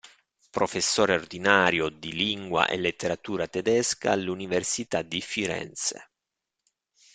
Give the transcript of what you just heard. Professore ordinario di Lingua e Letteratura Tedesca all'Università di Firenze.